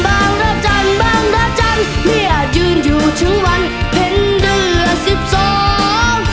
บางระจันทร์บางระจันทร์เนี่ยยืนอยู่ถึงวันเพ็ญเดือสิบสอง